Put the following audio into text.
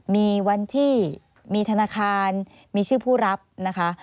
มีวันที่มีธนาคารมีชื่อผู้รับนะคะ